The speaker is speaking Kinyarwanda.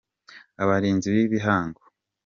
Abarinzi bigihabgo.